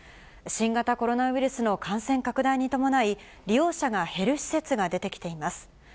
新型コロナウイルスの感染拡大に伴い、利用者が減る施設が出てきています。